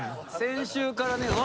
先週からね